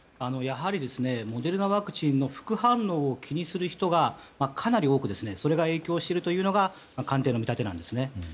やはりモデルナワクチンの副反応を気にする人がいて、かなり多く影響しているというのが官邸の見立てなんです。